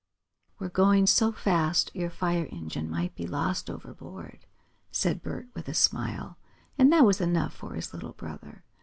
"We're going so fast your fire engine might be lost overboard," said Bert with a smile, and that was enough for his little brother.